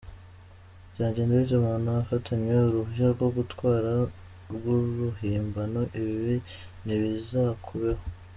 Byagenda bite umuntu afatanywe uruhushya rwo gutwara rw’uruhimbano? Ibi ntibizakubeho.